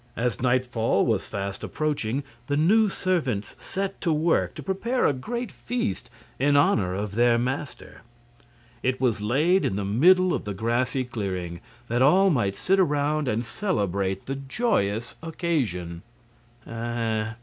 As nightfall was fast approaching the new servants set to work to prepare a great feast in honor of their master. It was laid in the middle of the grassy clearing, that all might sit around and celebrate the joyous occasion.